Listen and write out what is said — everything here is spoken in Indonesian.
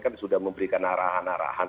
kan sudah memberikan arahan arahan